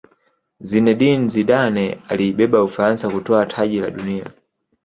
zinedine zidane aliibeba ufaransa kutwaa taji la dunia